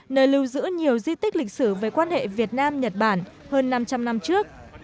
nơi lưu giữ nhiều di tích lịch sử về quan hệ việt nam nhật bản hơn năm trăm linh năm trước